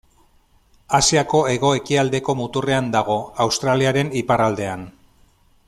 Asiako hego-ekialdeko muturrean dago, Australiaren iparraldean.